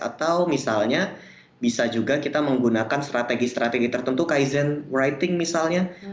atau misalnya bisa juga kita menggunakan strategi strategi tertentu kaizen writing misalnya